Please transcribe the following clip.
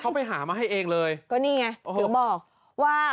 เขาไปหามาให้เองเลยก็นี่ไงถึงบอกว่า